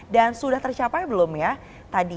dan sudah tercapai belum ya